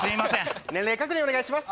年齢確認お願いします